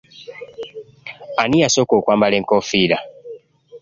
Ani yasooka okwambala enkoofiira?